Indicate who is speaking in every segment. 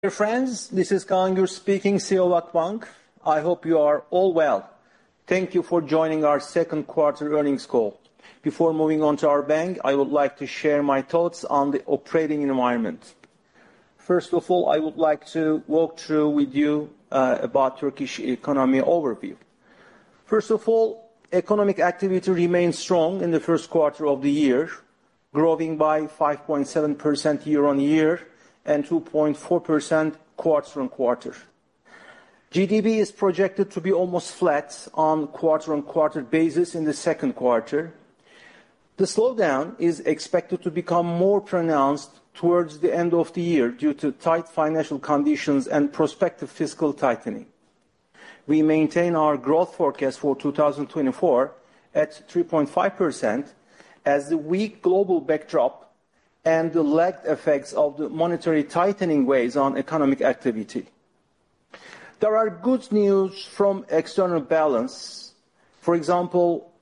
Speaker 1: Dear friends, this is Kaan Gür speaking, CEO, Akbank. I hope you are all well. Thank you for joining our second quarter earnings call. Before moving on to our bank, I would like to share my thoughts on the operating environment. First of all, I would like to walk through with you about the Turkish economy overview. First of all, economic activity remained strong in the first quarter of the year, growing by 5.7% year-on-year and 2.4% quarter-on-quarter. GDP is projected to be almost flat on quarter-on-quarter basis in the second quarter. The slowdown is expected to become more pronounced towards the end of the year due to tight financial conditions and prospective fiscal tightening. We maintain our growth forecast for 2024 at 3.5% as the weak global backdrop and the lagged effects of the monetary tightening weighs on economic activity. There are good news from external balance. For example,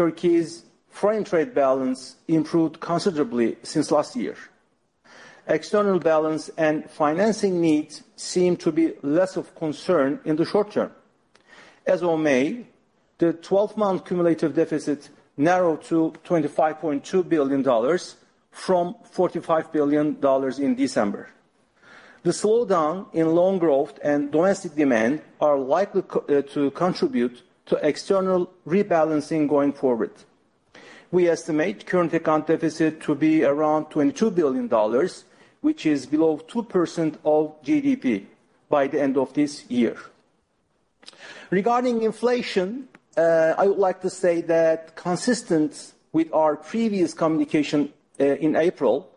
Speaker 1: Turkey's foreign trade balance improved considerably since last year. External balance and financing needs seem to be less of a concern in the short term. As of May, the 12-month cumulative deficit narrowed to $25.2 billion from $45 billion in December. The slowdown in loan growth and domestic demand are likely to contribute to external rebalancing going forward. We estimate current account deficit to be around $22 billion, which is below 2% of GDP by the end of this year. Regarding inflation, I would like to say that consistent with our previous communication in April,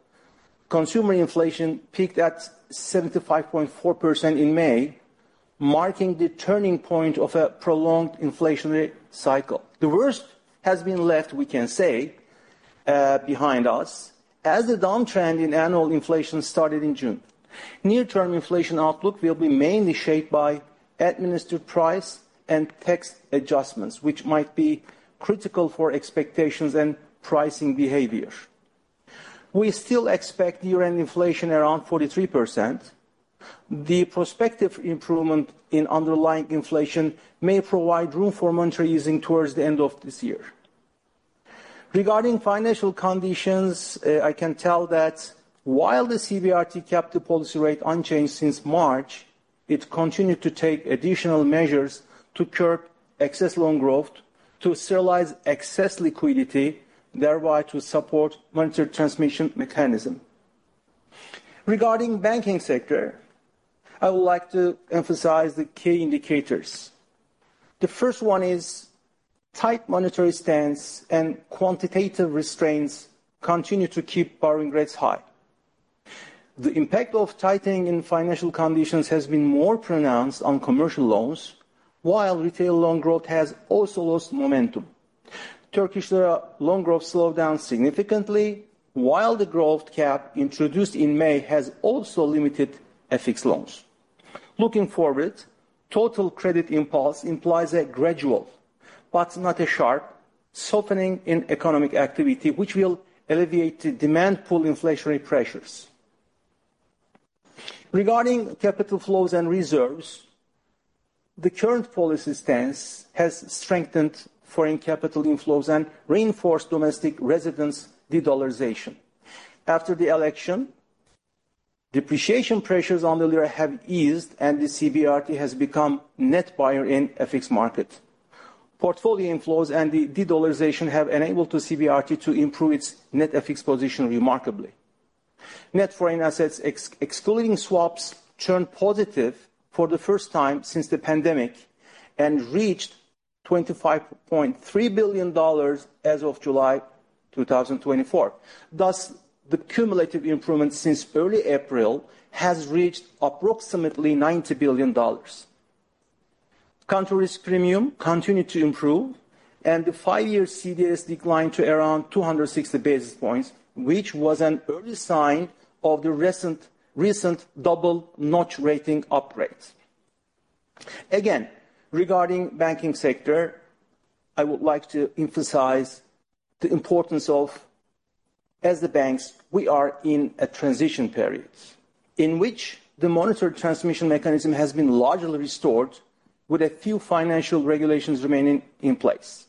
Speaker 1: consumer inflation peaked at 75.4% in May, marking the turning point of a prolonged inflationary cycle. The worst has been left, we can say, behind us as the downtrend in annual inflation started in June. Near-term inflation outlook will be mainly shaped by administered price and tax adjustments, which might be critical for expectations and pricing behavior. We still expect year-end inflation around 43%. The prospective improvement in underlying inflation may provide room for monetary easing towards the end of this year. Regarding financial conditions, I can tell that while the CBRT kept the policy rate unchanged since March, it continued to take additional measures to curb excess loan growth, to sterilize excess liquidity, thereby to support monetary transmission mechanism. Regarding the banking sector, I would like to emphasize the key indicators. The first one is tight monetary stance and quantitative restraints continue to keep borrowing rates high. The impact of tightening in financial conditions has been more pronounced on commercial loans, while retail loan growth has also lost momentum. Turkish lira loan growth slowed down significantly, while the growth cap introduced in May has also limited FX loans. Looking forward, total credit impulse implies a gradual, but not a sharp, softening in economic activity, which will alleviate the demand-pull inflationary pressures. Regarding capital flows and reserves, the current policy stance has strengthened foreign capital inflows and reinforced domestic residence de-dollarization. After the election, depreciation pressures on the lira have eased, and the CBRT has become net buyer in the FX market. Portfolio inflows and the de-dollarization have enabled the CBRT to improve its net FX position remarkably. Net foreign assets, excluding swaps, turned positive for the first time since the pandemic and reached $25.3 billion as of July 2024. Thus, the cumulative improvement since early April has reached approximately $90 billion. Country risk premium continued to improve, and the five-year CDS declined to around 260 basis points, which was an early sign of the recent double-notch rating upgrade. Again, regarding the banking sector, I would like to emphasize the importance of, as the banks, we are in a transition period in which the monetary transmission mechanism has been largely restored, with a few financial regulations remaining in place.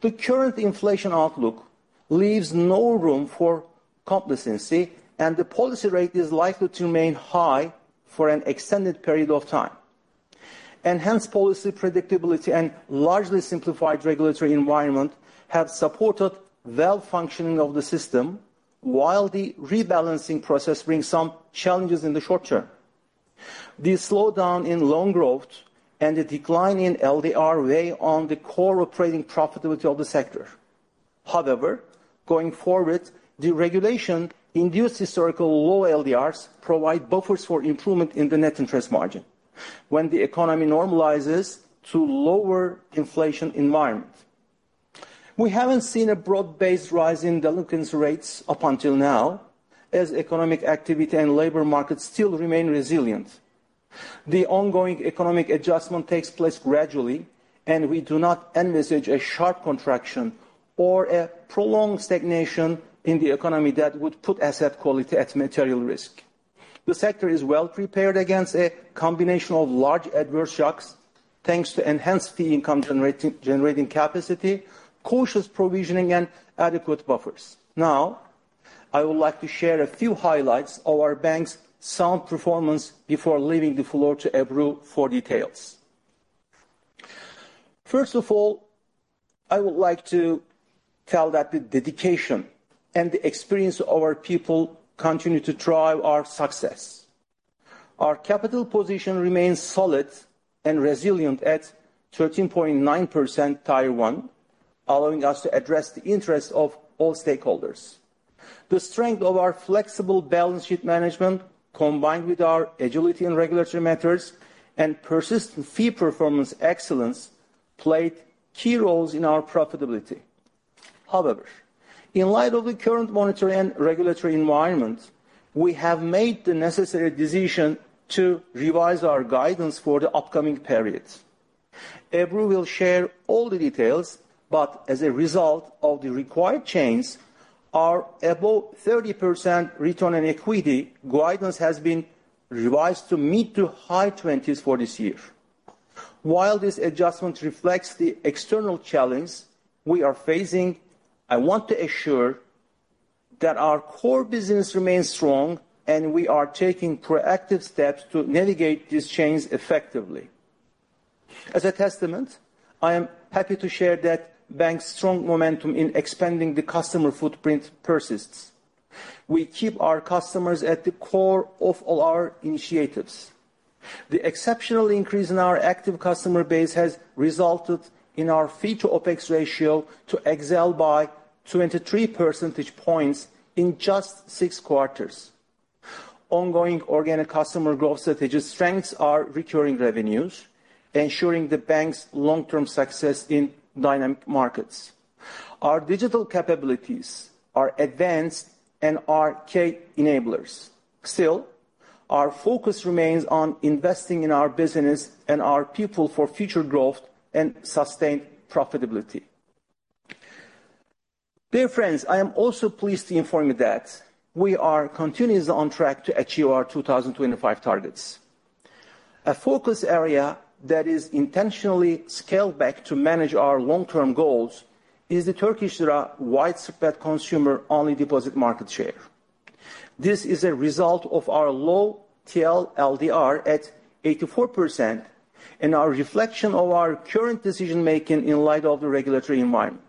Speaker 1: The current inflation outlook leaves no room for complacency, and the policy rate is likely to remain high for an extended period of time. Enhanced policy predictability and a largely simplified regulatory environment have supported the well-functioning of the system, while the rebalancing process brings some challenges in the short term. The slowdown in loan growth and the decline in LDR weigh on the core operating profitability of the sector. However, going forward, deregulation-induced historical low LDRs provide buffers for improvement in the net interest margin when the economy normalizes to a lower inflation environment. We haven't seen a broad-based rise in delinquency rates up until now, as economic activity and labor markets still remain resilient. The ongoing economic adjustment takes place gradually, and we do not envisage a sharp contraction or a prolonged stagnation in the economy that would put asset quality at material risk. The sector is well prepared against a combination of large adverse shocks, thanks to enhanced fee-income generating capacity, cautious provisioning, and adequate buffers. Now, I would like to share a few highlights of our bank's sound performance before leaving the floor to Ebru for details. First of all, I would like to tell that the dedication and the experience of our people continue to drive our success. Our capital position remains solid and resilient at 13.9% Tier 1, allowing us to address the interests of all stakeholders. The strength of our flexible balance sheet management, combined with our agility in regulatory matters and persistent fee performance excellence, played key roles in our profitability. However, in light of the current monetary and regulatory environment, we have made the necessary decision to revise our guidance for the upcoming period. Ebru will share all the details, but as a result of the required change, our above 30% return on equity guidance has been revised to meet the high 20s for this year. While this adjustment reflects the external challenge we are facing, I want to assure that our core business remains strong, and we are taking proactive steps to navigate these changes effectively. As a testament, I am happy to share that the bank's strong momentum in expanding the customer footprint persists. We keep our customers at the core of all our initiatives. The exceptional increase in our active customer base has resulted in our fee-to-OPEX ratio to excel by 23 percentage points in just six quarters. Ongoing organic customer growth strategies strengthen our recurring revenues, ensuring the bank's long-term success in dynamic markets. Our digital capabilities are advanced and are key enablers. Still, our focus remains on investing in our business and our people for future growth and sustained profitability. Dear friends, I am also pleased to inform you that we are continuously on track to achieve our 2025 targets. A focus area that is intentionally scaled back to manage our long-term goals is the Turkish lira widespread consumer-only deposit market share. This is a result of our low TL/LDR at 84% and our reflection of our current decision-making in light of the regulatory environment.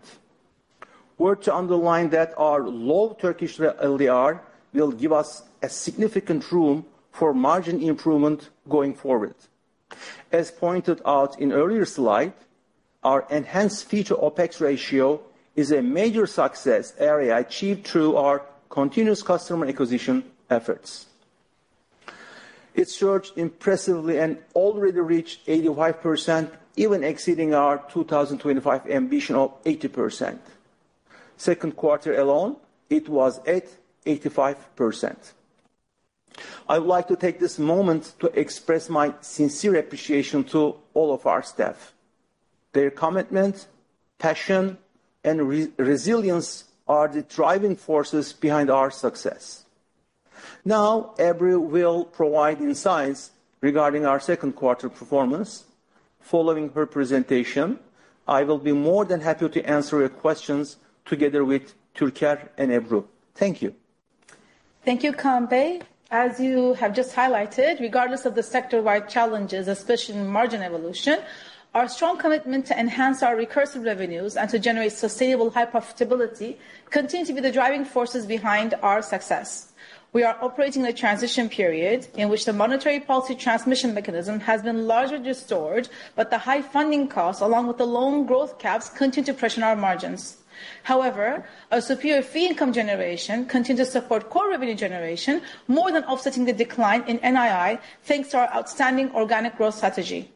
Speaker 1: Words to underline that our low Turkish lira LDR will give us significant room for margin improvement going forward. As pointed out in the earlier slide, our enhanced fee-to-OPEX ratio is a major success area achieved through our continuous customer acquisition efforts. It surged impressively and already reached 85%, even exceeding our 2025 ambition of 80%. Second quarter alone, it was at 85%. I would like to take this moment to express my sincere appreciation to all of our staff. Their commitment, passion, and resilience are the driving forces behind our success. Now, Ebru will provide insights regarding our second quarter performance. Following her presentation, I will be more than happy to answer your questions together with Türker and Ebru. Thank you.
Speaker 2: Thank you, Kaan Bey. As you have just highlighted, regardless of the sector-wide challenges, especially in margin evolution, our strong commitment to enhance our recurring revenues and to generate sustainable high profitability continues to be the driving forces behind our success. We are operating in a transition period in which the monetary policy transmission mechanism has been largely restored, but the high funding costs, along with the loan growth caps, continue to pressure our margins. However, our superior fee-income generation continues to support core revenue generation more than offsetting the decline in NII, thanks to our outstanding organic growth strategy.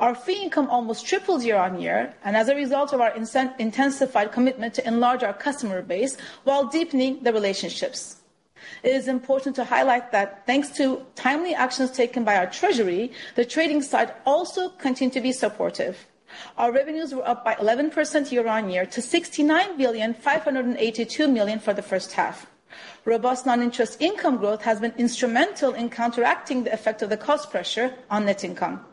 Speaker 2: Our fee-income almost tripled year-on-year and as a result of our intensified commitment to enlarge our customer base while deepening the relationships. It is important to highlight that thanks to timely actions taken by our Treasury, the trading side also continued to be supportive. Our revenues were up by 11% year-on-year to $69,582 million for the first half. Robust non-interest income growth has been instrumental in counteracting the effect of the cost pressure on net income.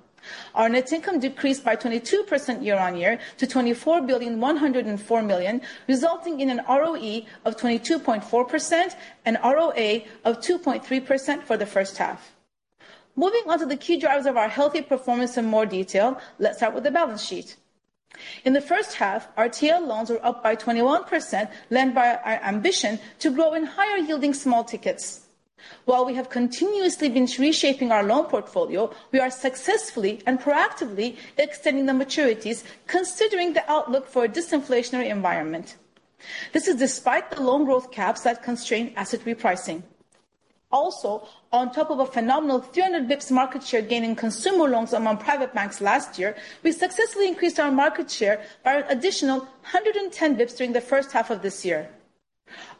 Speaker 2: Our net income decreased by 22% year-on-year to $24,104 million, resulting in an ROE of 22.4% and ROA of 2.3% for the first half. Moving on to the key drivers of our healthy performance in more detail, let's start with the balance sheet. In the first half, our TL loans were up by 21%, lent by our ambition to grow in higher-yielding small tickets. While we have continuously been reshaping our loan portfolio, we are successfully and proactively extending the maturities, considering the outlook for a disinflationary environment. This is despite the loan growth caps that constrain asset repricing. Also, on top of a phenomenal 300 basis points market share gain in consumer loans among private banks last year, we successfully increased our market share by an additional 110 basis points during the first half of this year.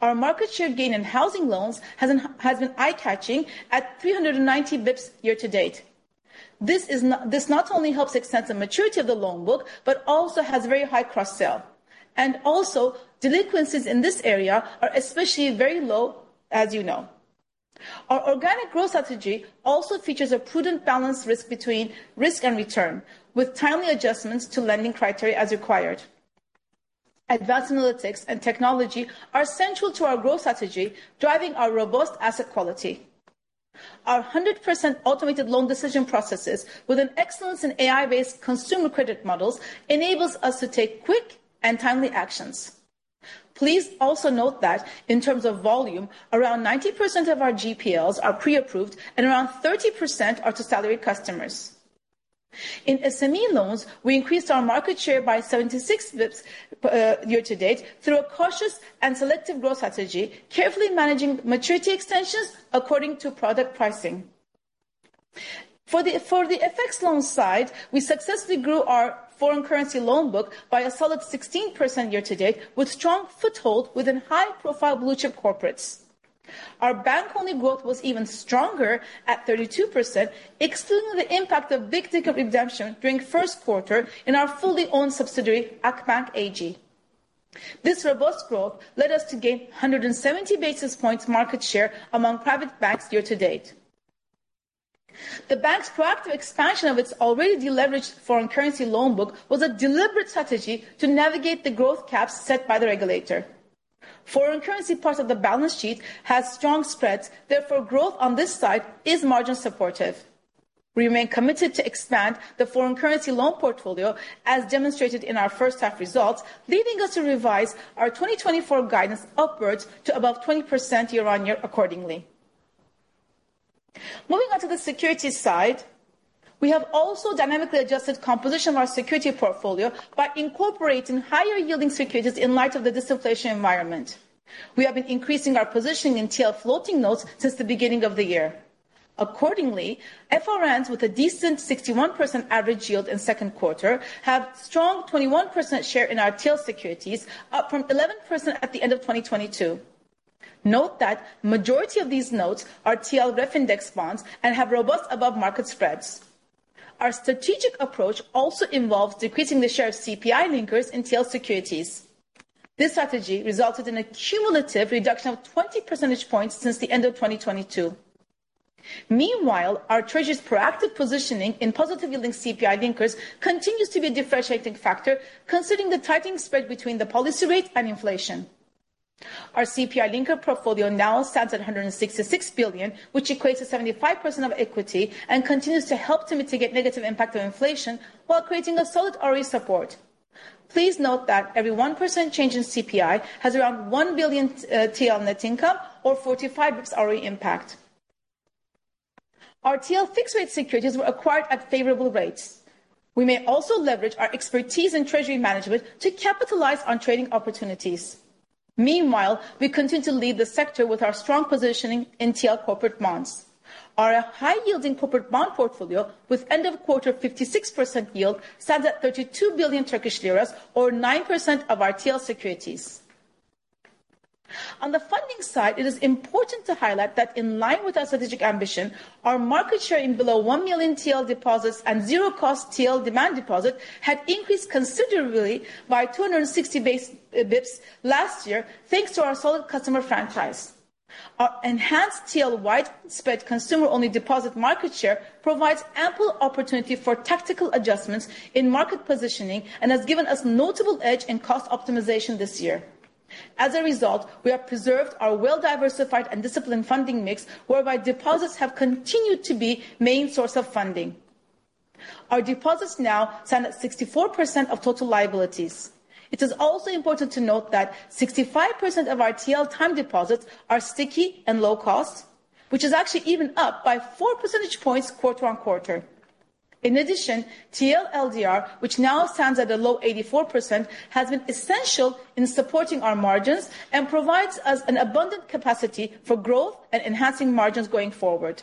Speaker 2: Our market share gain in housing loans has been eye-catching at 390 basis points year-to-date. This not only helps extend the maturity of the loan book, but also has very high cross-sell. Also, delinquencies in this area are especially very low, as you know. Our organic growth strategy also features a prudent balance risk between risk and return, with timely adjustments to lending criteria as required. Advanced analytics and technology are central to our growth strategy, driving our robust asset quality. Our 100% automated loan decision processes, with an excellence in AI-based consumer credit models, enable us to take quick and timely actions. Please also note that in terms of volume, around 90% of our GPLs are pre-approved, and around 30% are to salaried customers. In SME loans, we increased our market share by 76 basis points year-to-date through a cautious and selective growth strategy, carefully managing maturity extensions according to product pricing. For the FX loan side, we successfully grew our foreign currency loan book by a solid 16% year-to-date, with strong foothold within high-profile blue-chip corporates. Our bank-only growth was even stronger at 32%, excluding the impact of big ticket redemption during the first quarter in our fully-owned subsidiary, Akbank AG. This robust growth led us to gain 170 basis points market share among private banks year-to-date. The bank's proactive expansion of its already deleveraged foreign currency loan book was a deliberate strategy to navigate the growth caps set by the regulator. Foreign currency part of the balance sheet has strong spreads. Therefore, growth on this side is margin-supportive. We remain committed to expand the foreign currency loan portfolio, as demonstrated in our first-half results, leading us to revise our 2024 guidance upwards to above 20% year-on-year accordingly. Moving on to the securities side, we have also dynamically adjusted the composition of our securities portfolio by incorporating higher-yielding securities in light of the disinflation environment. We have been increasing our positioning in TL floating notes since the beginning of the year. Accordingly, FRNs with a decent 61% average yield in the second quarter have a strong 21% share in our TL securities, up from 11% at the end of 2022. Note that the majority of these notes are TL RefIndex bonds and have robust above-market spreads. Our strategic approach also involves decreasing the share of CPI linkers in TL securities. This strategy resulted in a cumulative reduction of 20 percentage points since the end of 2022. Meanwhile, our Treasury's proactive positioning in positively linked CPI linkers continues to be a differentiating factor, considering the tightening spread between the policy rate and inflation. Our CPI linker portfolio now stands at $166 billion, which equates to 75% of equity and continues to help to mitigate the negative impact of inflation while creating a solid ROE support. Please note that every 1% change in CPI has around 1 billion TL net income, or 45 basis points ROE impact. Our TL fixed-rate securities were acquired at favorable rates. We may also leverage our expertise in Treasury management to capitalize on trading opportunities. Meanwhile, we continue to lead the sector with our strong positioning in TL corporate bonds. Our high-yielding corporate bond portfolio, with end-of-quarter 56% yield, stands at 32 billion Turkish lira, or 9% of our TL securities. On the funding side, it is important to highlight that in line with our strategic ambition, our market share in below 1 million TL deposits and zero-cost TL demand deposits had increased considerably by 260 basis points last year, thanks to our solid customer franchise. Our enhanced TL widespread consumer-only deposit market share provides ample opportunity for tactical adjustments in market positioning and has given us a notable edge in cost optimization this year. As a result, we have preserved our well-diversified and disciplined funding mix, whereby deposits have continued to be the main source of funding. Our deposits now stand at 64% of total liabilities. It is also important to note that 65% of our TL time deposits are sticky and low-cost, which is actually even up by 4 percentage points quarter-on-quarter. In addition, TL LDR, which now stands at a low 84%, has been essential in supporting our margins and provides us with abundant capacity for growth and enhancing margins going forward.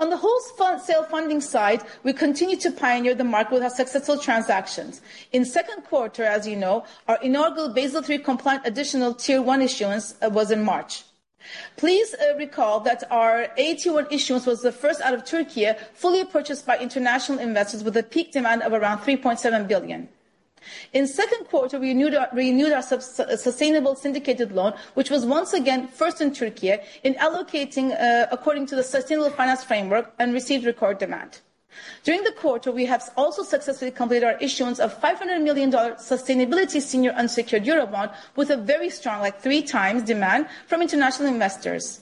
Speaker 2: On the wholesale funding side, we continue to pioneer the market with our successful transactions. In the second quarter, as you know, our inaugural Basel III compliant additional Tier 1 issuance was in March. Please recall that our AT1 issuance was the first out of Türkiye fully purchased by international investors with a peak demand of around $3.7 billion. In the second quarter, we renewed our sustainable syndicated loan, which was once again first in Türkiye in allocating according to the sustainable finance framework and received record demand. During the quarter, we have also successfully completed our issuance of $500 million Sustainability Senior Unsecured Eurobond, with a very strong, like 3 times, demand from international investors.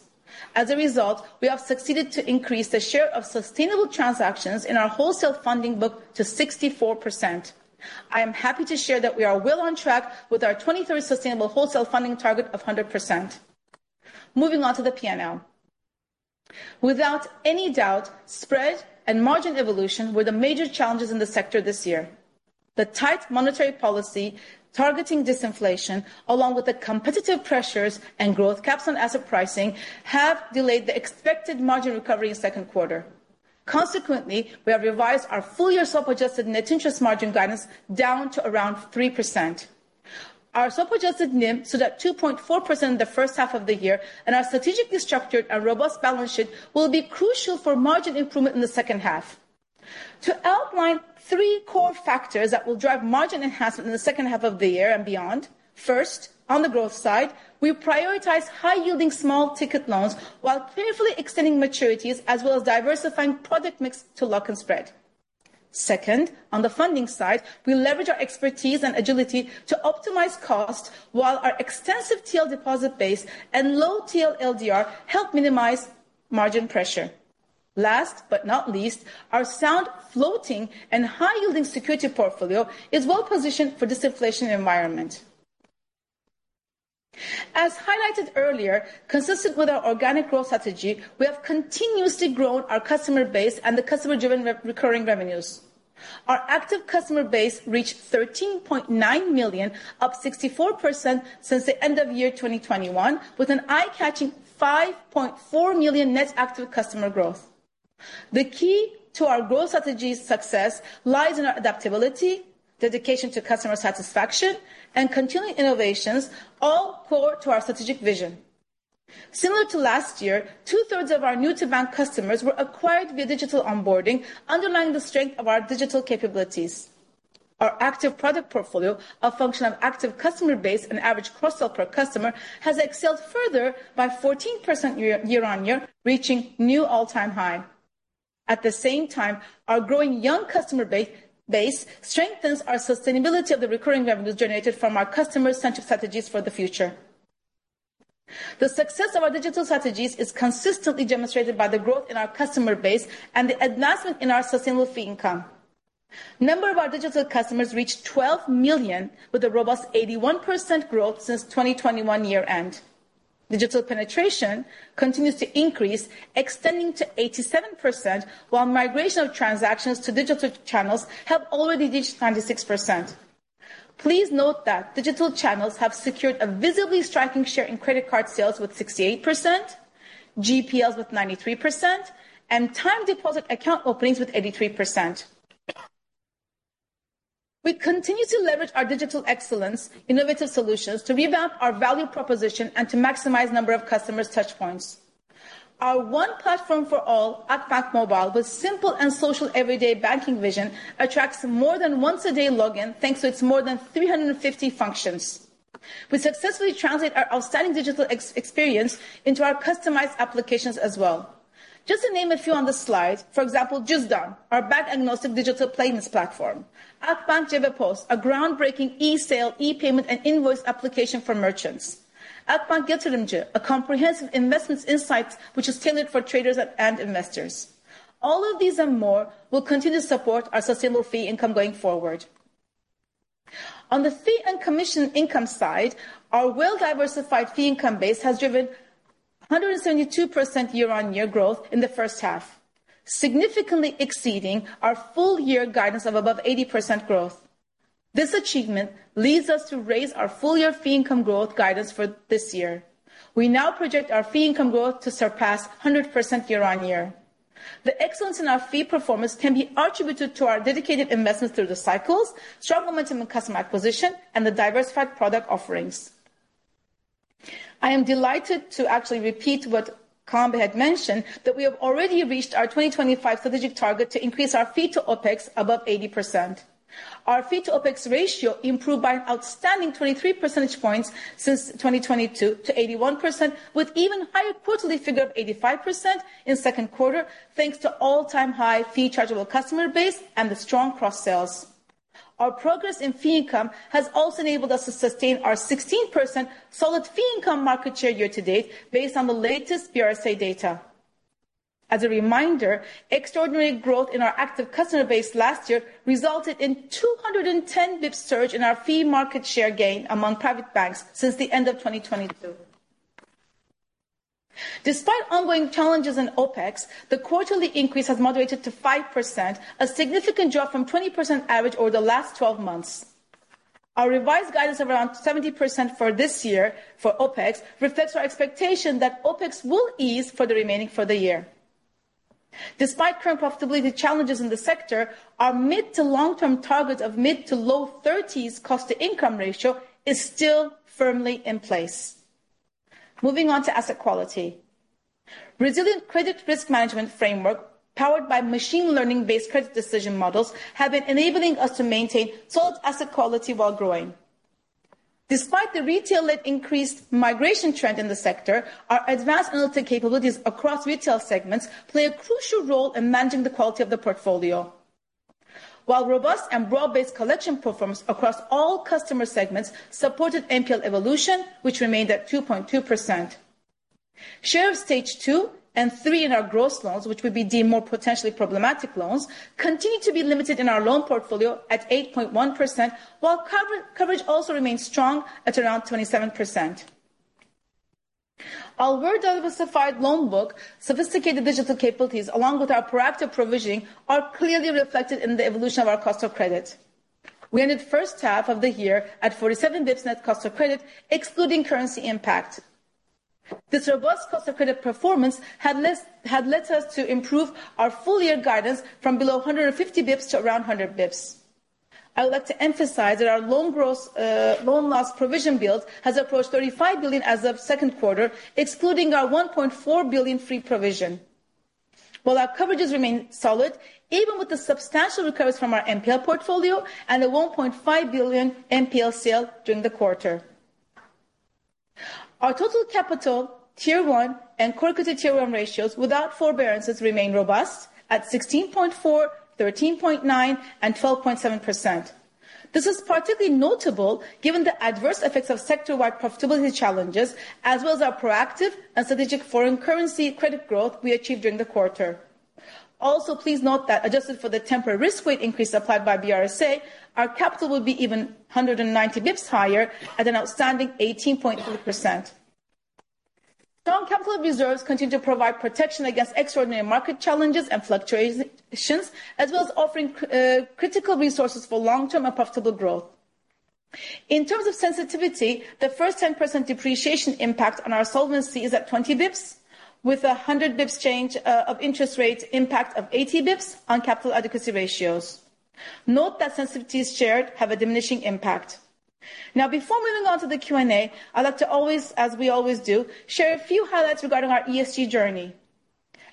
Speaker 2: As a result, we have succeeded to increase the share of sustainable transactions in our wholesale funding book to 64%. I am happy to share that we are well on track with our 2030 sustainable wholesale funding target of 100%. Moving on to the P&L. Without any doubt, spread and margin evolution were the major challenges in the sector this year. The tight monetary policy targeting disinflation, along with the competitive pressures and growth caps on asset pricing, have delayed the expected margin recovery in the second quarter. Consequently, we have revised our full-year self-adjusted net interest margin guidance down to around 3%. Our self-adjusted NIM stood at 2.4% in the first half of the year, and our strategically structured and robust balance sheet will be crucial for margin improvement in the second half. To outline three core factors that will drive margin enhancement in the second half of the year and beyond: first, on the growth side, we prioritize high-yielding small ticket loans while carefully extending maturities, as well as diversifying product mix to lock and spread. Second, on the funding side, we leverage our expertise and agility to optimize costs while our extensive TL deposit base and low TL LDR help minimize margin pressure. Last but not least, our sound, floating, and high-yielding securities portfolio is well-positioned for the disinflation environment. As highlighted earlier, consistent with our organic growth strategy, we have continuously grown our customer base and the customer-driven recurring revenues. Our active customer base reached 13.9 million, up 64% since the end of year 2021, with an eye-catching 5.4 million net active customer growth. The key to our growth strategy's success lies in our adaptability, dedication to customer satisfaction, and continuing innovations, all core to our strategic vision. Similar to last year, two-thirds of our new-to-bank customers were acquired via digital onboarding, underlining the strength of our digital capabilities. Our active product portfolio, a function of active customer base and average cross-sale per customer, has excelled further by 14% year-on-year, reaching new all-time high. At the same time, our growing young customer base strengthens our sustainability of the recurring revenues generated from our customer-centric strategies for the future. The success of our digital strategies is consistently demonstrated by the growth in our customer base and the advancement in our sustainable fee-income. The number of our digital customers reached 12 million, with a robust 81% growth since the 2021 year-end. Digital penetration continues to increase, extending to 87%, while migration of transactions to digital channels helped already reach 96%. Please note that digital channels have secured a visibly striking share in credit card sales with 68%, GPLs with 93%, and time-deposit account openings with 83%. We continue to leverage our digital excellence, innovative solutions to revamp our value proposition and to maximize the number of customers' touchpoints. Our One Platform for All, Akbank Mobile, with a simple and social everyday banking vision, attracts more than once-a-day login, thanks to its more than 350 functions. We successfully translate our outstanding digital experience into our customized applications as well. Just to name a few on the slide, for example, Cüzdan, our bank-agnostic digital payments platform. Akbank Cebepos, a groundbreaking e-sale, e-payment, and invoice application for merchants. Akbank Yatırımcı, a comprehensive investment insight which is tailored for traders and investors. All of these and more will continue to support our sustainable fee income going forward. On the fee and commission income side, our well-diversified fee income base has driven 172% year-on-year growth in the first half, significantly exceeding our full-year guidance of above 80% growth. This achievement leads us to raise our full-year fee income growth guidance for this year. We now project our fee income growth to surpass 100% year-on-year. The excellence in our fee performance can be attributed to our dedicated investments through the cycles, strong momentum in customer acquisition, and the diversified product offerings. I am delighted to actually repeat what Kaan had mentioned, that we have already reached our 2025 strategic target to increase our fee-to-OPEX above 80%. Our fee-to-OPEX ratio improved by an outstanding 23 percentage points since 2022 to 81%, with an even higher quarterly figure of 85% in the second quarter, thanks to all-time high fee chargeable customer base and the strong cross-sales. Our progress in fee income has also enabled us to sustain our 16% solid fee income market share year-to-date, based on the latest BRSA data. As a reminder, extraordinary growth in our active customer base last year resulted in a 210 basis points surge in our fee market share gain among private banks since the end of 2022. Despite ongoing challenges in OPEX, the quarterly increase has moderated to 5%, a significant drop from 20% average over the last 12 months. Our revised guidance of around 70% for this year for OPEX reflects our expectation that OPEX will ease for the remaining year. Despite current profitability challenges in the sector, our mid-to-long-term target of mid-to-low 30s cost-to-income ratio is still firmly in place. Moving on to asset quality. Resilient credit risk management framework powered by machine learning-based credit decision models has been enabling us to maintain solid asset quality while growing. Despite the retail-led increased migration trend in the sector, our advanced analytic capabilities across retail segments play a crucial role in managing the quality of the portfolio, while robust and broad-based collection performance across all customer segments supported MPL evolution, which remained at 2.2%. Share of stage two and three in our gross loans, which would be deemed more potentially problematic loans, continue to be limited in our loan portfolio at 8.1%, while coverage also remains strong at around 27%. Our well-diversified loan book, sophisticated digital capabilities, along with our proactive provisioning, are clearly reflected in the evolution of our cost of credit. We ended the first half of the year at 47 basis points net cost of credit, excluding currency impact. This robust cost of credit performance has led us to improve our full-year guidance from below 150 basis points to around 100 basis points. I would like to emphasize that our loan loss provision build has approached 35 billion as of the second quarter, excluding our 1.4 billion free provision, while our coverages remain solid, even with the substantial recoveries from our MPL portfolio and the 1.5 billion MPL sale during the quarter. Our total capital, Tier 1, and core equity Tier 1 ratios, without forbearances, remain robust at 16.4%, 13.9%, and 12.7%. This is particularly notable given the adverse effects of sector-wide profitability challenges, as well as our proactive and strategic foreign currency credit growth we achieved during the quarter. Also, please note that adjusted for the temporary risk weight increase applied by BRSA, our capital will be even 190 basis points higher at an outstanding 18.3%. Strong capital reserves continue to provide protection against extraordinary market challenges and fluctuations, as well as offering critical resources for long-term and profitable growth. In terms of sensitivity, the first 10% depreciation impact on our solvency is at 20 basis points, with a 100 basis points change of interest rate impact of 80 basis points on capital adequacy ratios. Note that sensitivities shared have a diminishing impact. Now, before moving on to the Q&A, I'd like to always, as we always do, share a few highlights regarding our ESG journey.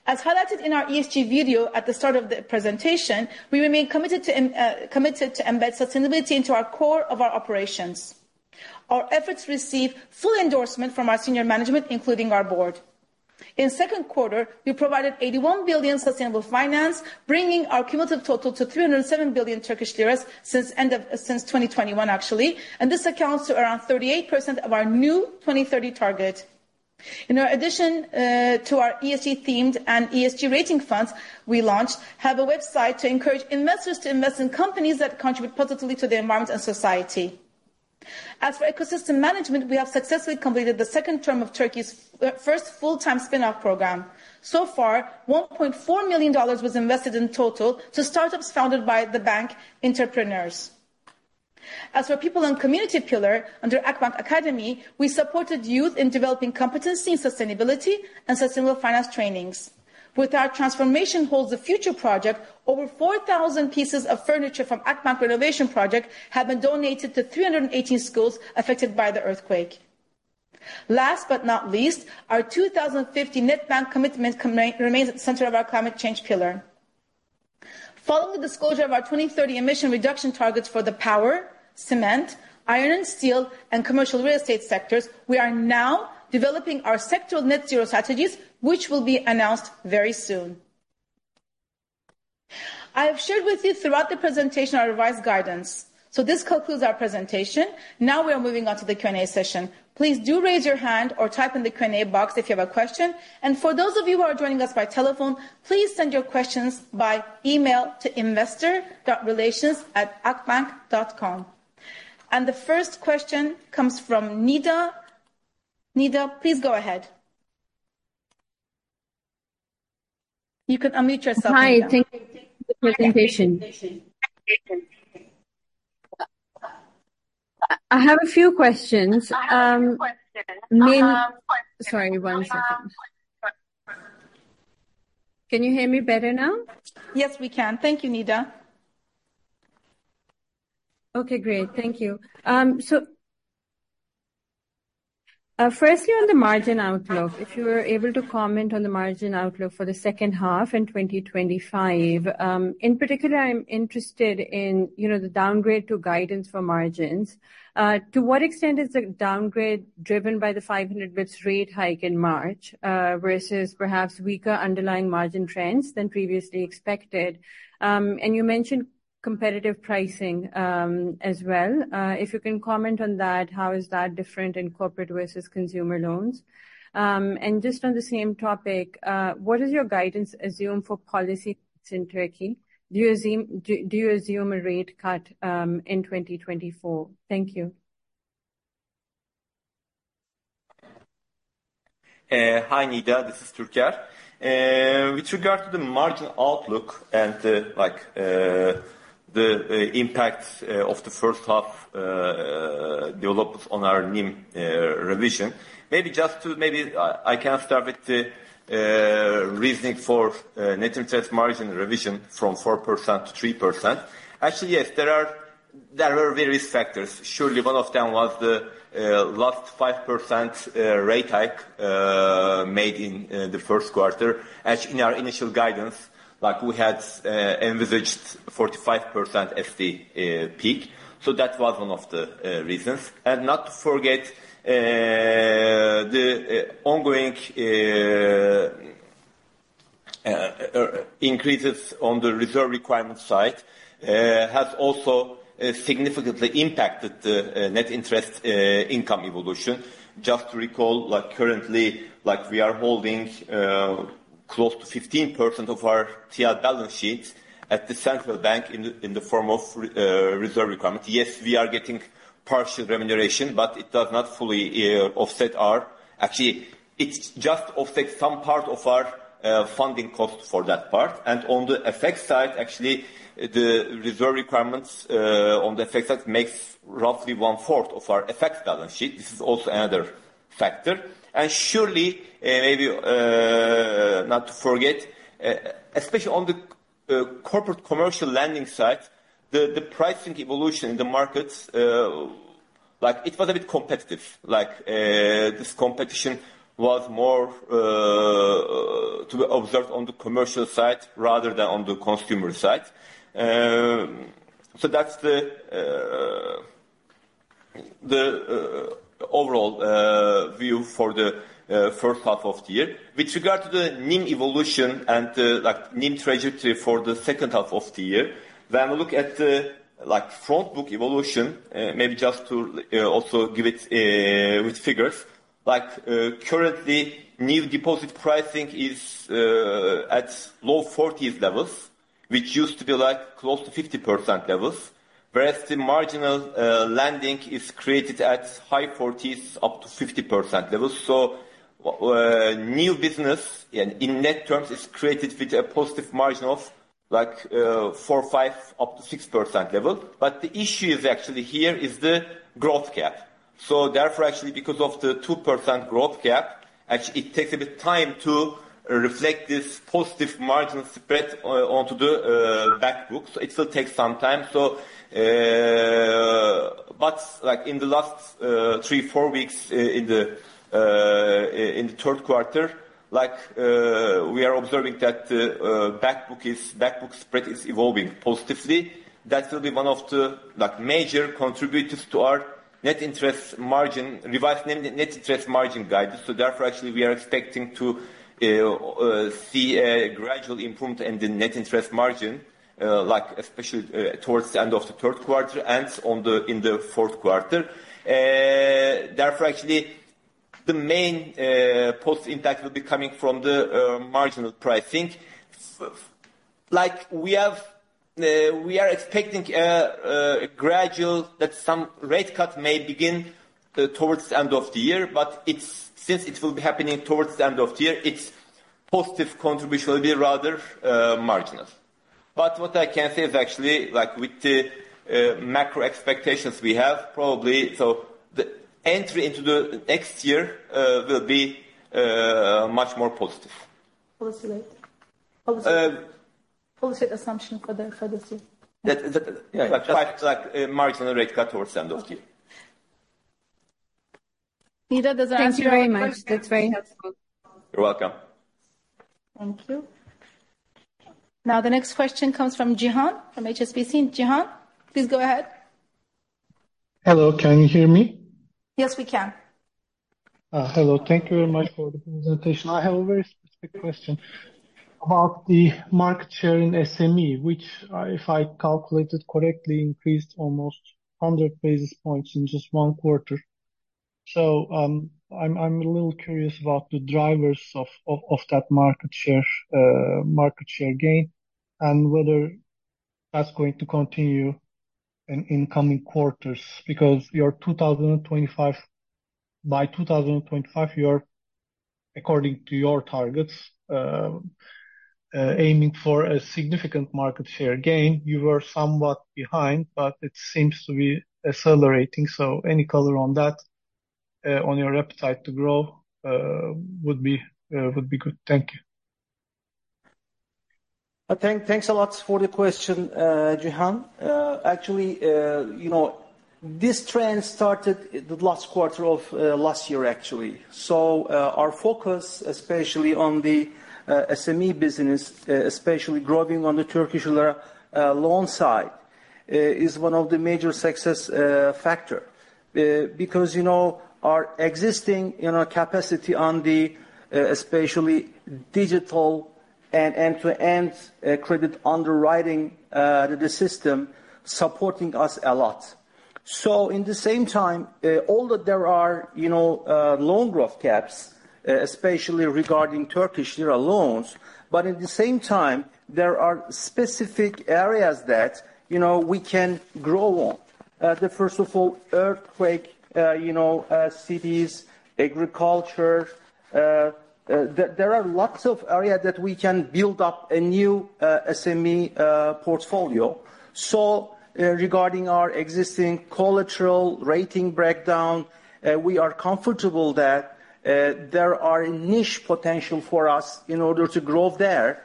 Speaker 2: As highlighted in our ESG video at the start of the presentation, we remain committed to embed sustainability into the core of our operations. Our efforts receive full endorsement from our senior management, including our board. In the second quarter, we provided 81 billion sustainable finance, bringing our cumulative total to 307 billion Turkish lira since the end of 2021, actually, and this accounts for around 38% of our new 2030 target. In addition to our ESG-themed and ESG rating funds we launched, we have a website to encourage investors to invest in companies that contribute positively to the environment and society. As for ecosystem management, we have successfully completed the second term of Turkey's first full-time spinoff program. So far, $1.4 million was invested in total to startups founded by the bank, Entrepreneurs. As for People and Community Pillar under Akbank Academy, we supported youth in developing competency in sustainability and sustainable finance trainings. With our transformation holds the future project, over 4,000 pieces of furniture from the Akbank renovation project have been donated to 318 schools affected by the earthquake. Last but not least, our 2050 net bank commitment remains at the center of our climate change pillar. Following the disclosure of our 2030 emission reduction targets for the power, cement, iron and steel, and commercial real estate sectors, we are now developing our sectoral net zero strategies, which will be announced very soon. I have shared with you throughout the presentation our revised guidance. So this concludes our presentation. Now we are moving on to the Q&A session. Please do raise your hand or type in the Q&A box if you have a question. And for those of you who are joining us by telephone, please send your questions by email to investor.relations@akbank.com. And the first question comes from Nida. Nida, please go ahead. You can unmute yourself.
Speaker 3: Hi. Thank you for the presentation. I have a few questions. Sorry, one second. Can you hear me better now?
Speaker 2: Yes, we can. Thank you, Nida.
Speaker 3: Okay, great. Thank you. So firstly, on the margin outlook, if you were able to comment on the margin outlook for the second half in 2025, in particular, I'm interested in the downgrade to guidance for margins. To what extent is the downgrade driven by the 500 basis points rate hike in March versus perhaps weaker underlying margin trends than previously expected? And you mentioned competitive pricing as well. If you can comment on that, how is that different in corporate versus consumer loans? And just on the same topic, what does your guidance assume for policy in Turkey? Do you assume a rate cut in 2024? Thank you. Hi, Nida. This is Türker with regard to the margin outlook and the impact of the first half developed on our NIM revision. Maybe just to maybe I can start with the reasoning for net interest margin revision from 4% to 3%. Actually, yes, there were various factors. Surely one of them was the last 5% rate hike made in the first quarter. In our initial guidance, we had envisaged 45% SD peak. So that was one of the reasons. And not to forget, the ongoing increases on the reserve requirement side have also significantly impacted the net interest income evolution. Just to recall, currently, we are holding close to 15% of our TIA balance sheet at the central bank in the form of reserve requirement. Yes, we are getting partial remuneration, but it does not fully offset our actually, it just offsets some part of our funding cost for that part. And on the effects side, actually, the reserve requirements on the effects side make roughly one-fourth of our effects balance sheet. This is also another factor. And surely, maybe not to forget, especially on the corporate commercial lending side, the pricing evolution in the markets, it was a bit competitive. This competition was more to be observed on the commercial side rather than on the consumer side. So that's the overall view for the first half of the year. With regard to the NIM evolution and the NIM trajectory for the second half of the year, when we look at the front book evolution, maybe just to also give it with figures, currently, new deposit pricing is at low 40s levels, which used to be close to 50% levels, whereas the marginal lending is created at high 40s up to 50% levels. So new business, in net terms, is created with a positive margin of 4%, 5%, up to 6% level. But the issue is actually here is the growth gap. So therefore, actually, because of the 2% growth gap, actually, it takes a bit of time to reflect this positive margin spread onto the backbook. So it will take some time. But in the last three, four weeks in the third quarter, we are observing that the backbook spread is evolving positively. That will be one of the major contributors to our net interest margin, revised net interest margin guidance. So therefore, actually, we are expecting to see a gradual improvement in the net interest margin, especially towards the end of the third quarter and in the fourth quarter. Therefore, actually, the main positive impact will be coming from the marginal pricing. We are expecting a gradual that some rate cut may begin towards the end of the year, but since it will be happening towards the end of the year, its positive contribution will be rather marginal. But what I can say is actually, with the macro expectations we have, probably the entry into the next year will be much more positive. Policy assumption for this year. Marginal rate cut towards the end of the year.
Speaker 2: Nida, does that answer your question? Thank you very much.
Speaker 3: That's very helpful.
Speaker 1: You're welcome.
Speaker 2: Thank you. Now, the next question comes from Jihan from HSBC. Jihan, please go ahead. Hello. Can you hear me? Yes, we can.
Speaker 3: Hello, Thank you very much for the presentation. I have a very specific question about the market share in SME, which, if I calculated correctly, increased almost 100 basis points in just one quarter. So I'm a little curious about the drivers of that market share gain and whether that's going to continue in incoming quarters because by 2025, you're, according to your targets, aiming for a significant market share gain. You were somewhat behind, but it seems to be accelerating. So any color on that, on your appetite to grow, would be good. Thank you.
Speaker 1: Thanks a lot for the question, Jihan. Actually, this trend started the last quarter of last year, actually.
Speaker 3: Our focus, especially on the SME business, especially growing on the Turkish loan side, is one of the major success factors because our existing capacity on the especially digital and end-to-end credit underwriting system supports us a lot. In the same time, although there are loan growth caps, especially regarding Turkish lira loans, but at the same time, there are specific areas that we can grow on. First of all, earthquake cities, agriculture. There are lots of areas that we can build up a new SME portfolio. Regarding our existing collateral rating breakdown, we are comfortable that there are niche potential for us in order to grow there.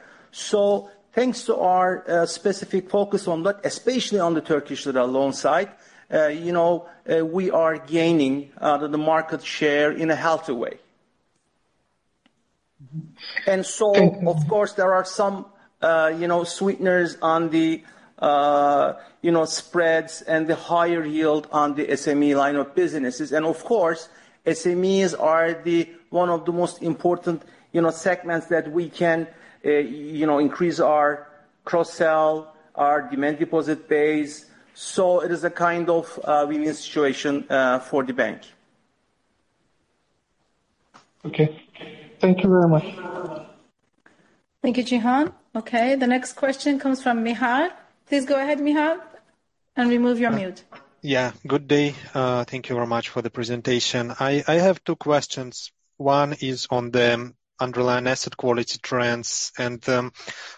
Speaker 3: Thanks to our specific focus on that, especially on the Turkish lira loan side, we are gaining the market share in a healthy way. And so, of course, there are some sweeteners on the spreads and the higher yield on the SME line of businesses. And of course, SMEs are one of the most important segments that we can increase our cross-sell, our demand deposit base. So it is a kind of win-win situation for the bank. Okay. Thank you very much.
Speaker 2: Thank you, Jihan. Okay. The next question comes from Mihal. Please go ahead. Mihal, and remove your mute. Yeah.
Speaker 3: Good day. Thank you very much for the presentation. I have two questions. One is on the underlying asset quality trends and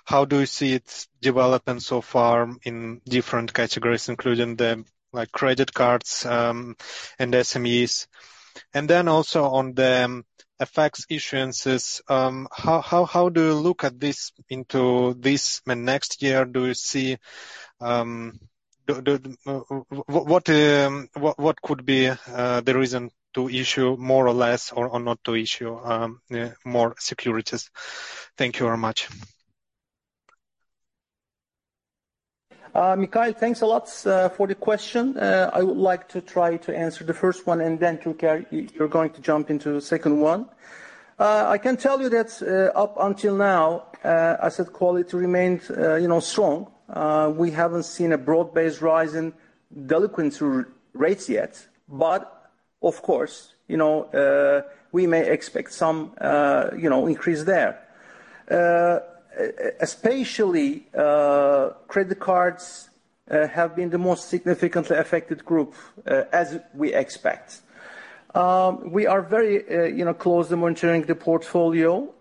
Speaker 3: how do you see it developing so far in different categories, including the credit cards and SMEs. And then also on the FX issuances, how do you look at this into this and next year? Do you see what could be the reason to issue more or less or not to issue more securities? Thank you very much.
Speaker 1: Mikhail, thanks a lot for the question. I would like to try to answer the first one, and then Türker, you're going to jump into the second one. I can tell you that up until now, asset quality remained strong. We haven't seen a broad-based rise in delinquency rates yet, but of course, we may expect some increase there. Especially, credit cards have been the most significantly affected group, as we expect. We are very close to monitoring the portfolio.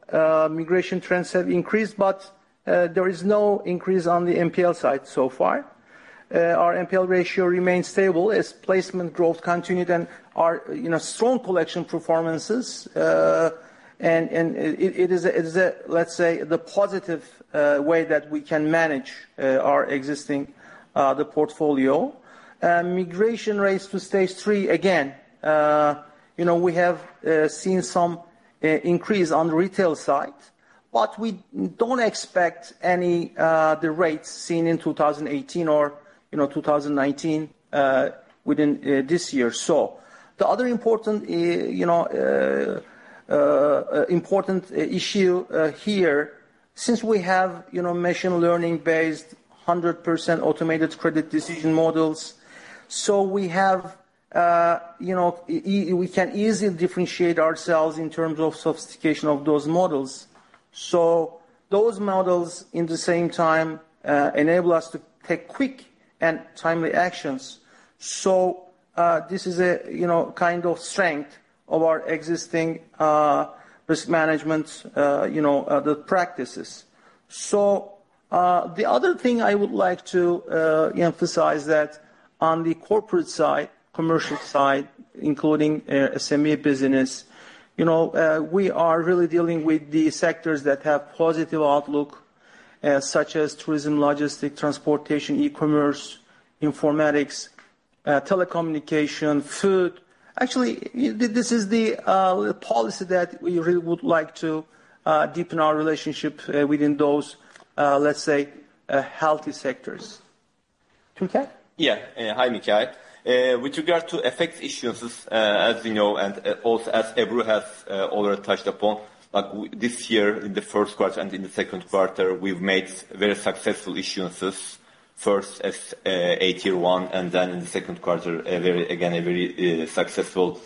Speaker 1: Migration trends have increased, but there is no increase on the MPL side so far. Our MPL ratio remains stable as placement growth continued and our strong collection performances. It is, let's say, the positive way that we can manage our existing portfolio. Migration rates to stage 3, again, we have seen some increase on the retail side, but we don't expect any of the rates seen in 2018 or 2019 within this year. The other important issue here, since we have machine learning-based 100% automated credit decision models, so we can easily differentiate ourselves in terms of sophistication of those models. Those models, in the same time, enable us to take quick and timely actions. This is a kind of strength of our existing risk management practices. The other thing I would like to emphasize is that on the corporate side, commercial side, including SME business, we are really dealing with the sectors that have positive outlook, such as tourism, logistics, transportation, e-commerce, informatics, telecommunication, food. Actually, this is the policy that we really would like to deepen our relationship within those, let's say, healthy sectors. Türker?
Speaker 3: Yeah.
Speaker 1: Hi, Mikhail. With regard to FX issuances, as you know, and also as Ebru has already touched upon, this year, in the first quarter and in the second quarter, we've made very successful issuances, first, an AT1 and then in the second quarter, again, a very successful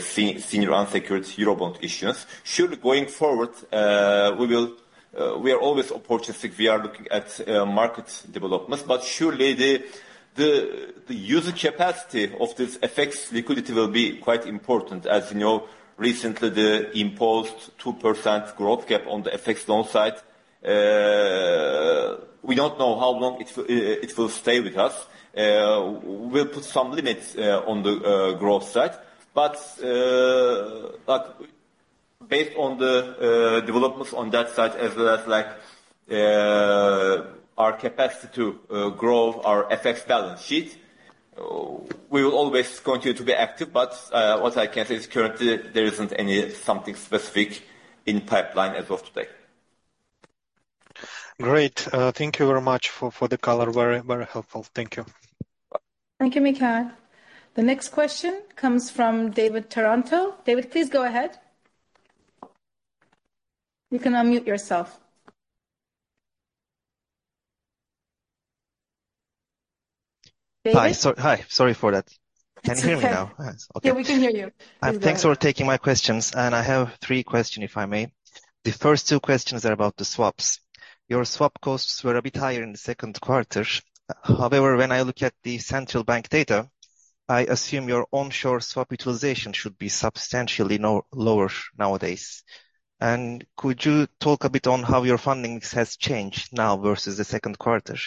Speaker 1: senior unsecured Eurobond issuance. Surely, going forward, we are always opportunistic. We are looking at market developments, but surely the user capacity of this FX liquidity will be quite important. As you know, recently, the imposed 2% growth cap on the FX loan side, we don't know how long it will stay with us. We'll put some limits on the growth side. But based on the developments on that side, as well as our capacity to grow our FX balance sheet, we will always continue to be active. But what I can say is currently, there isn't any something specific in pipeline as of today.
Speaker 3: Great. Thank you very much for the color. Very, very helpful. Thank you. Thank you, Mikhail. The next question comes from David Taranto. David, please go ahead. You can unmute yourself. David? Hi. Sorry for that. Can you hear me now? Okay. Yeah, we can hear you. Thanks for taking my questions. I have three questions, if I may. The first two questions are about the swaps. Your swap costs were a bit higher in the second quarter. However, when I look at the central bank data, I assume your onshore swap utilization should be substantially lower nowadays. And could you talk a bit on how your funding has changed now versus the second quarter?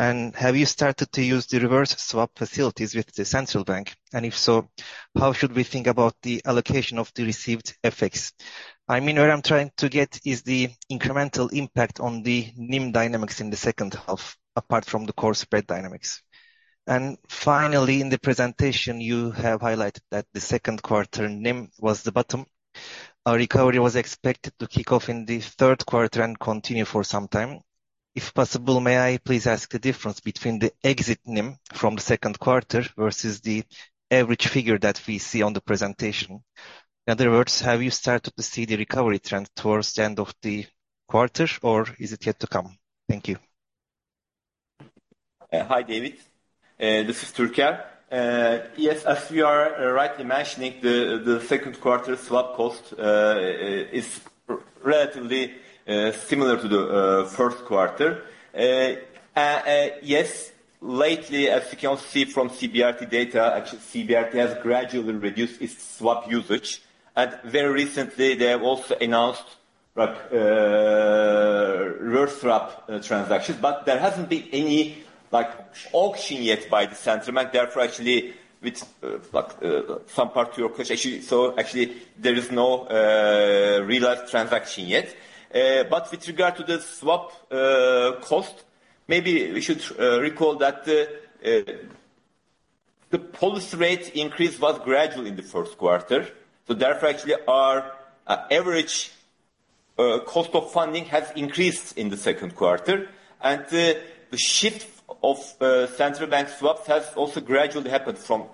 Speaker 3: And have you started to use the reverse swap facilities with the central bank? And if so, how should we think about the allocation of the received effects? I mean, what I'm trying to get is the incremental impact on the NIM dynamics in the second half, apart from the core spread dynamics. And finally, in the presentation, you have highlighted that the second quarter NIM was the bottom. A recovery was expected to kick off in the third quarter and continue for some time. If possible, may I please ask the difference between the exit NIM from the second quarter versus the average figure that we see on the presentation? In other words, have you started to see the recovery trend towards the end of the quarter, or is it yet to come? Thank you. Hi, David. This is Türker. Yes, as you are rightly mentioning, the second quarter swap cost is relatively similar to the first quarter. Yes, lately, as you can see from CBRT data, actually, CBRT has gradually reduced its swap usage. And very recently, they have also announced reverse swap transactions, but there hasn't been any auction yet by the central bank. Therefore, actually, with some part of your question, actually, so actually, there is no realized transaction yet. But with regard to the swap cost, maybe we should recall that the policy rate increase was gradual in the first quarter. So therefore, actually, our average cost of funding has increased in the second quarter. And the shift of central bank swaps has also gradually happened from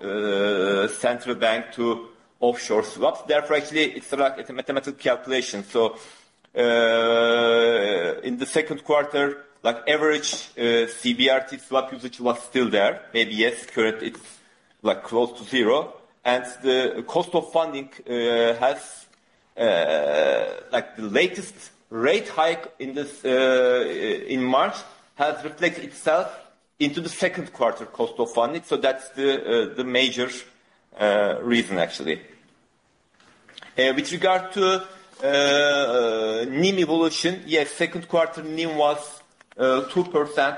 Speaker 3: central bank to offshore swaps. Therefore, actually, it's a mathematical calculation. So in the second quarter, average CBRT swap usage was still there. Maybe yes, currently, it's close to zero. The cost of funding has the latest rate hike in March has reflected itself into the second quarter cost of funding. So that's the major reason, actually. With regard to NIM evolution, yes, second quarter NIM was 2%,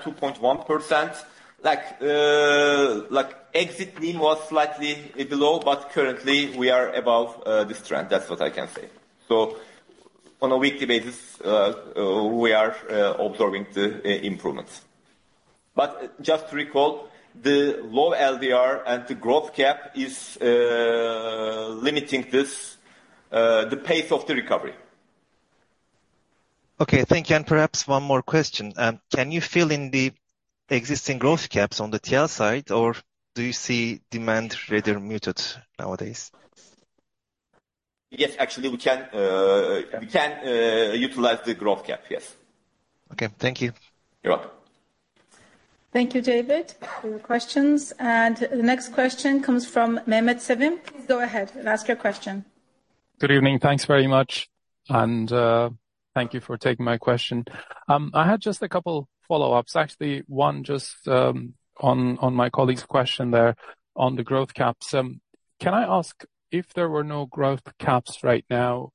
Speaker 3: 2.1%. Exit NIM was slightly below, but currently, we are above this trend. That's what I can say. So on a weekly basis, we are observing the improvements. But just to recall, the low LDR and the growth cap is limiting the pace of the recovery. Okay. Thank you. And perhaps one more question. Can you fill in the existing growth caps on the TL side, or do you see demand rather muted nowadays? Yes, actually, we can utilize the growth cap, yes. Okay. Thank you. You're welcome.
Speaker 2: Thank you, David, for your questions. And the next question comes from Mehmet Sevim. Please go ahead and ask your question. Good evening.
Speaker 3: Thanks very much. And thank you for taking my question. I had just a couple of follow-ups. Actually, one just on my colleague's question there on the growth caps. Can I ask if there were no growth caps right now,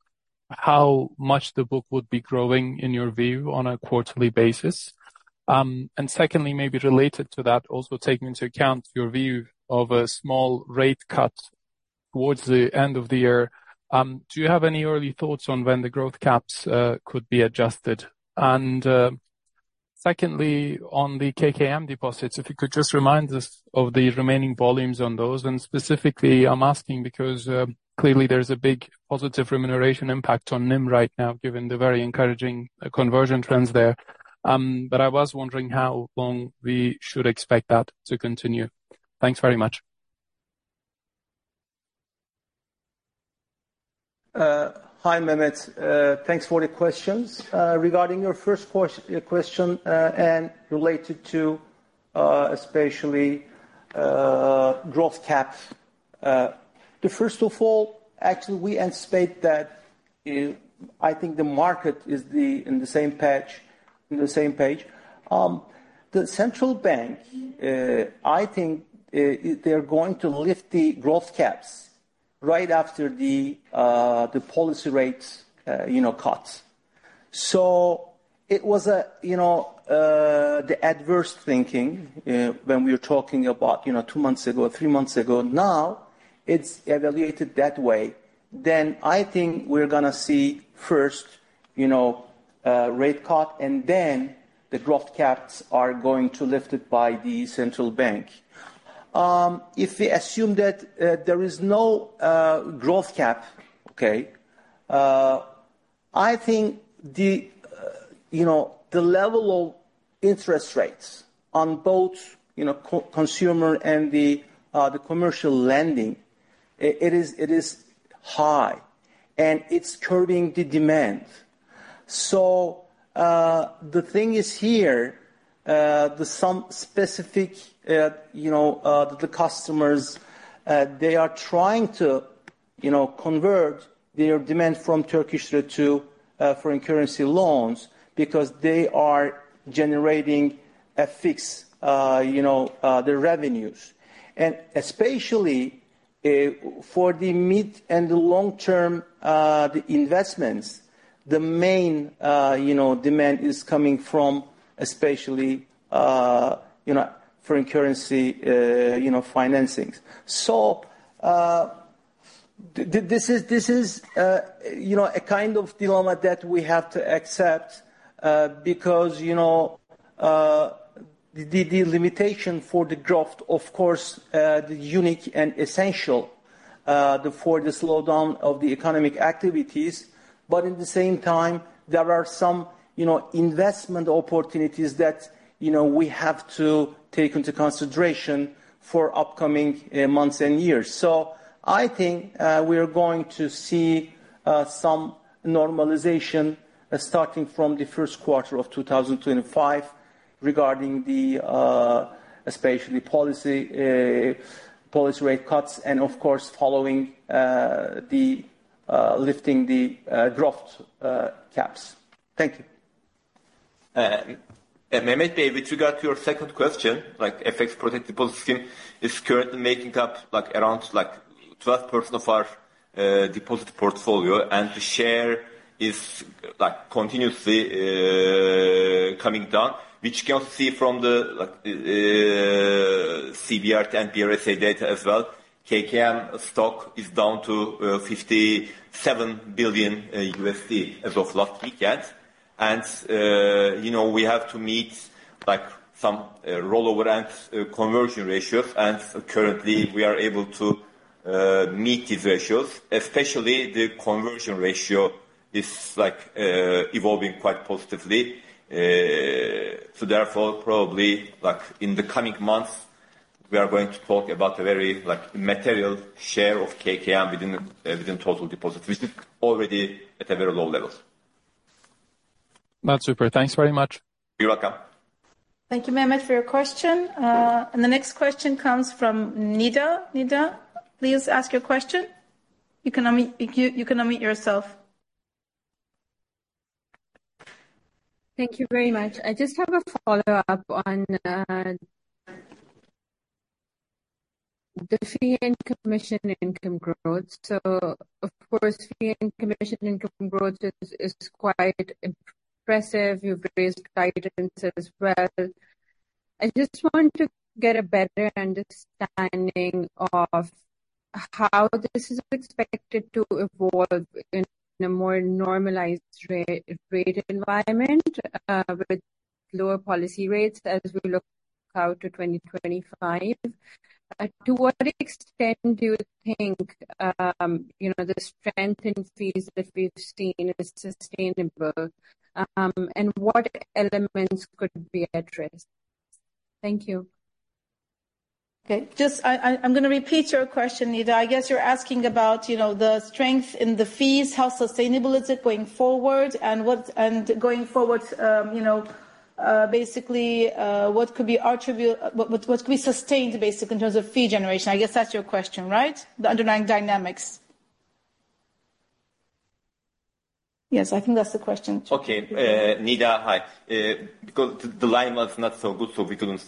Speaker 3: how much the book would be growing in your view on a quarterly basis? And secondly, maybe related to that, also taking into account your view of a small rate cut towards the end of the year, do you have any early thoughts on when the growth caps could be adjusted? And secondly, on the KKM deposits, if you could just remind us of the remaining volumes on those. And specifically, I'm asking because clearly there's a big positive remuneration impact on NIM right now, given the very encouraging conversion trends there. But I was wondering how long we should expect that to continue. Thanks very much. Hi, Mehmet. Thanks for the questions. Regarding your first question and related to especially growth caps, first of all, actually, we anticipate that I think the market is on the same page. The central bank, I think they're going to lift the growth caps right after the policy rate cut. So it was the reverse thinking when we were talking about two months ago, three months ago. Now, it's evaluated that way. Then I think we're going to see first rate cut, and then the growth caps are going to be lifted by the central bank. If we assume that there is no growth cap, okay, I think the level of interest rates on both consumer and commercial lending, it is high, and it's curbing the demand. So the thing is here, some specific customers, they are trying to convert their demand from Turkish lira to foreign currency loans because they are generating FX, their revenues. And especially for the mid- and long-term investments, the main demand is coming from especially foreign currency financings. So this is a kind of dilemma that we have to accept because the limitation for the growth, of course, the unique and essential for the slowdown of the economic activities. But at the same time, there are some investment opportunities that we have to take into consideration for upcoming months and years. So I think we are going to see some normalization starting from the first quarter of 2025 regarding the especially policy rate cuts and, of course, following the lifting the growth caps. Thank you. Mehmet, with regard to your second question, FX-protected deposit scheme is currently making up around 12% of our deposit portfolio, and the share is continuously coming down, which you can also see from the CBRT and BRSA data as well. KKM stock is down to $57 billion as of last weekend. And we have to meet some rollover and conversion ratios. And currently, we are able to meet these ratios. Especially, the conversion ratio is evolving quite positively. So therefore, probably in the coming months, we are going to talk about a very material share of KKM within total deposits, which is already at a very low level. That's super. Thanks very much. You're welcome.
Speaker 2: Thank you, Mehmet, for your question. And the next question comes from Nida. Nida, please ask your question. You can unmute yourself.
Speaker 3: Thank you very much. I just have a follow-up on the fee and commission income growth. So, of course, fee and commission income growth is quite impressive. You've raised guidance as well. I just want to get a better understanding of how this is expected to evolve in a more normalized rate environment with lower policy rates as we look out to 2025. To what extent do you think the strength in fees that we've seen is sustainable, and what elements could be addressed? Thank you.
Speaker 2: Okay. Just, I'm going to repeat your question, Nida. I guess you're asking about the strength in the fees, how sustainable is it going forward, and going forward, basically, what could contribute, what could be sustained basically in terms of fee generation? I guess that's your question, right? The underlying dynamics. Yes, I think that's the question. Okay. Nida, hi.
Speaker 1: The line was not so good, so we couldn't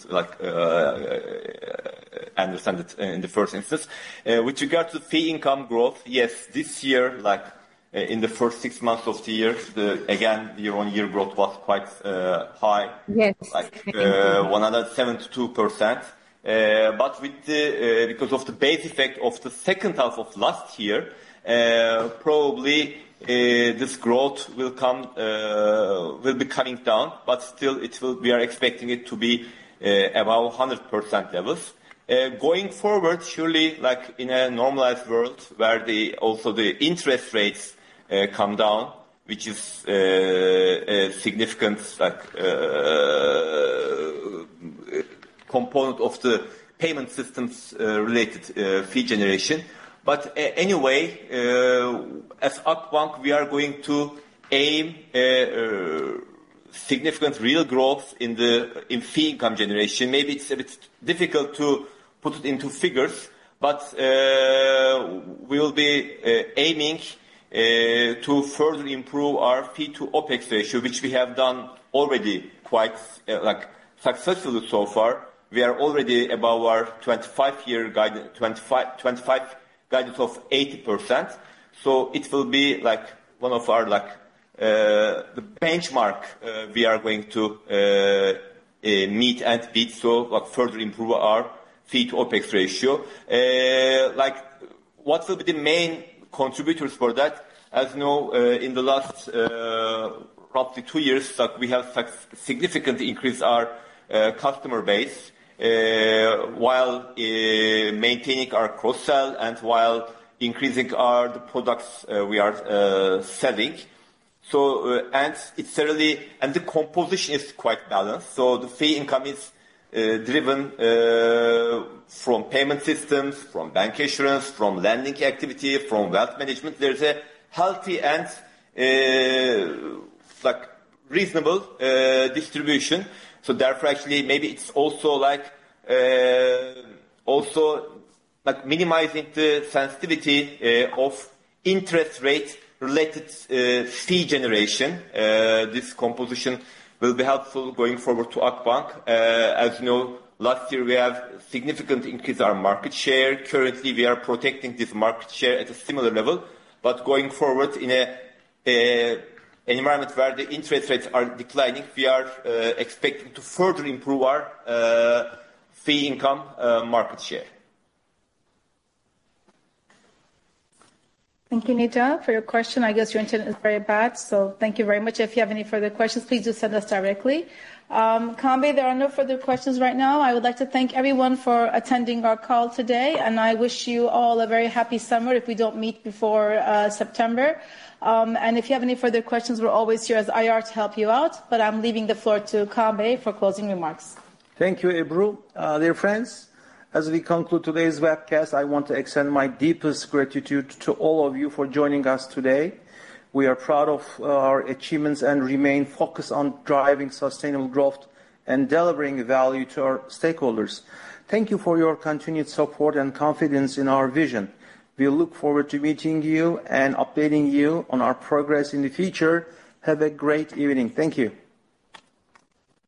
Speaker 1: understand it in the first instance. With regard to fee income growth, yes, this year, in the first six months of the year, again, year-on-year growth was quite high, 172%. But because of the base effect of the second half of last year, probably this growth will be coming down, but still, we are expecting it to be about 100% levels. Going forward, surely, in a normalized world where also the interest rates come down, which is a significant component of the payment systems-related fee generation. But anyway, as Akbank, we are going to aim significant real growth in fee income generation. Maybe it's a bit difficult to put it into figures, but we will be aiming to further improve our fee-to-OPEX ratio, which we have done already quite successfully so far. We are already above our 25-year guidance of 80%. So it will be one of the benchmarks we are going to meet and beat to further improve our fee-to-OPEX ratio. What will be the main contributors for that? As you know, in the last roughly two years, we have significantly increased our customer base while maintaining our cross-sell and while increasing the products we are selling. The composition is quite balanced. So the fee income is driven from payment systems, from bank assurance, from lending activity, from wealth management. There's a healthy and reasonable distribution. So therefore, actually, maybe it's also minimizing the sensitivity of interest-rate-related fee generation. This composition will be helpful going forward to outbound. As you know, last year, we have significantly increased our market share. Currently, we are protecting this market share at a similar level. But going forward, in an environment where the interest rates are declining, we are expecting to further improve our fee income market share.
Speaker 2: Thank you, Nida, for your question. I guess your internet is very bad. So thank you very much. If you have any further questions, please do send us directly. Kambe, there are no further questions right now. I would like to thank everyone for attending our call today. And I wish you all a very happy summer if we don't meet before September. And if you have any further questions, we're always here as IR to help you out. But I'm leaving the floor to Kambe for closing remarks.
Speaker 1: Thank you, Ebru. Dear friends, as we conclude today's webcast, I want to extend my deepest gratitude to all of you for joining us today. We are proud of our achievements and remain focused on driving sustainable growth and delivering value to our stakeholders. Thank you for your continued support and confidence in our vision. We look forward to meeting you and updating you on our progress in the future. Have a great evening. Thank you.